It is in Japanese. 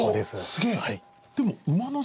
すげえ！